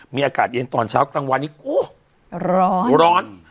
มีอากาศเย็นตอนเช้ากลางวันนี้โอ้ร้อนร้อน